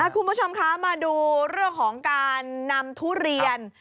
คุณผู้ชมคะมาดูเรื่องของการนำทุเรียน